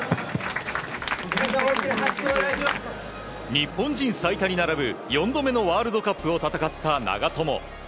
日本人最多に並ぶ４度目のワールドカップを戦った、長友。